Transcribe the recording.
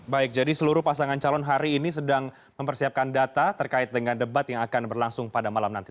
baik jadi seluruh pasangan calon hari ini sedang mempersiapkan data terkait dengan debat yang akan berlangsung pada malam nanti